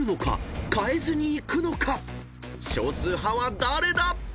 ［少数派は誰だ⁉］